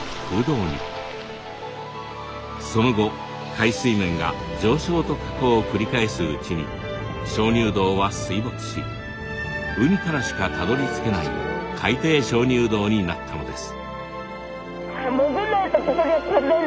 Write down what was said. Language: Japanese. その後海水面が上昇と下降を繰り返すうちに鍾乳洞は水没し海からしかたどりつけない海底鍾乳洞になったのです。